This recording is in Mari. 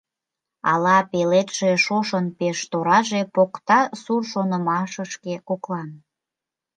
Ала пеледше шошын пеш тораже Покта сур шонымашышке коклан?